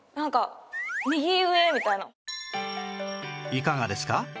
いかがですか？